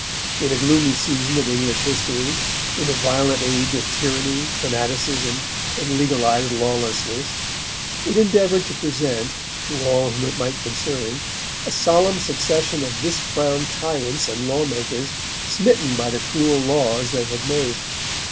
In a gloomy season of English history, in a violent age of tyranny, fanaticism, and legalised lawlessness, it endeavoured to present, to all whom it might concern, a solemn succession of discrowned tyrants and law makers smitten by the cruel laws they had made.